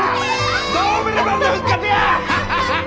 ドーベルマンの復活や！